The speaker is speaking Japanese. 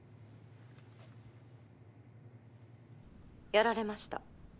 やられました。